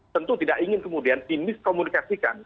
tentu tidak ingin kemudian dimiskomunikasikan